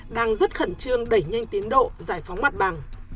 đang rất khẩn trương đẩy nhanh tiến độ giải phóng mặt bằng